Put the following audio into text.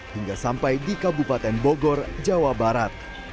hingga sampai di kabupaten bogor jawa barat